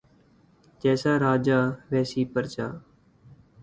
جیسا راجا ویسی پرجا